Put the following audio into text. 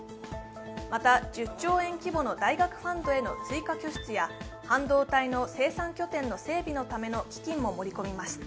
また１０兆円規模の大学ファンドへの追加拠出や半導体の生産拠点の整備のための基金も盛り込みます。